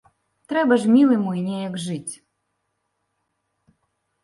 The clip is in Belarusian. Трэба ж, мілы мой, неяк жыць!